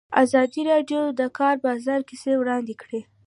ازادي راډیو د د کار بازار کیسې وړاندې کړي.